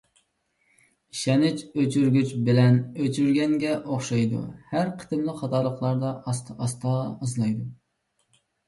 ئىشەنچ ئۆچۈرگۈچ بىلەن ئۆچۈرگەنگە ئوخشايدۇ، ھەر قېتىملىق خاتالىقلاردا ئاستا-ئاستا ئازلايدۇ.